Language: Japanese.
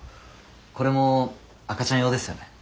これも赤ちゃん用ですよね。